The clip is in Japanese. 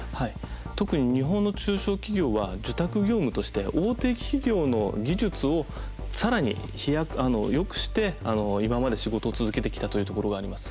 特に日本の中小企業は受託業務として、大手企業の技術をさらによくして今まで仕事を続けてきたというところがあります。